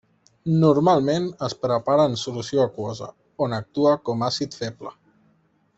Normalment es prepara en solució aquosa on actua com àcid feble.